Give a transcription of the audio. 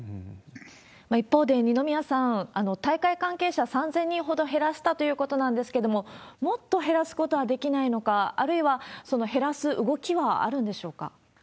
一方で、二宮さん、大会関係者３０００人ほど減らしたということなんですけれども、もっと減らすことはできないのか、あるいは、減らす動きはあるんでしょうか？